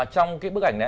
trong cái bức ảnh này